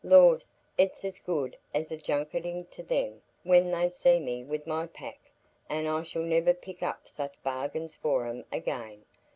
Lors, it's as good as a junketing to 'em when they see me wi' my pack, an' I shall niver pick up such bargains for 'em again.